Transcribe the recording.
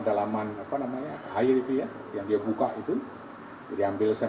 dalam waktu satu dua minggu ke depan